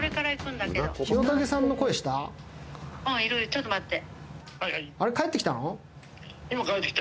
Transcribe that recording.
ちょっと待って。